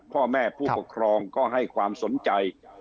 พ่อแม่ผู้ปกครองก็ให้ความสนใจ